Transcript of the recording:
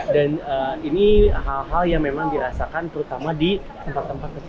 dan ini hal hal yang memang dirasakan terutama di tempat tempat kecil kesil